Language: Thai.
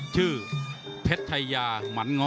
ชื่อเผ็ดชายาหมันงะ